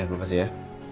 ya makasih ya